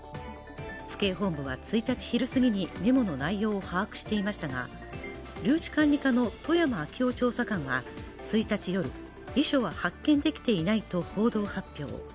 府警本部は１日昼過ぎにメモの内容を把握していましたが、留置管理課の戸山明夫調査官は１日夜、遺書は発見できていないと報道発表。